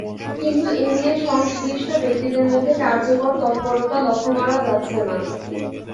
কিন্তু এ নিয়ে সংশ্লিষ্ট ব্যক্তিদের মধ্যে কার্যকর তৎপরতা লক্ষ করা যাচ্ছে না।